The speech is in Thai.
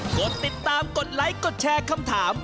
กดติดตามกดไลค์กดแชร์คำถาม